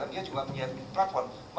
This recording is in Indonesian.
dia juga punya platform